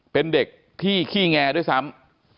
เป็นเด็กที่ขี้แงด้วยซ้ำ